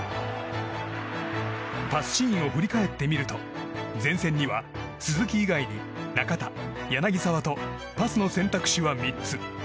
パスシーンを振り返ってみると前線には鈴木以外に中田、柳沢とパスの選択肢は３つ。